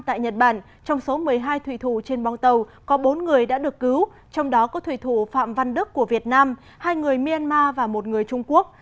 tại nhật bản trong số một mươi hai thủy thủ trên bong tàu có bốn người đã được cứu trong đó có thủy thủ phạm văn đức của việt nam hai người myanmar và một người trung quốc